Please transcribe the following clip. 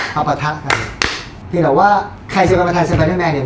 ประปะทะกันเห็นหรอว่าใครจะมาแทนสไปเดอร์แมนเนี้ย